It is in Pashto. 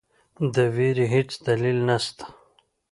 د وېرې هیڅ دلیل نسته.